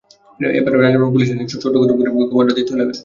এভাবে রাজারবাগ পুলিশ লাইনে শত্রু খতম করে গেমাররা দ্বিতীয় লেভেলে যাবে।